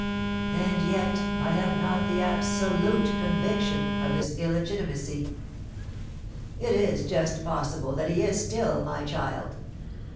And yet I have not the absolute conviction of his illegitimacy: it is just possible that he is still my child!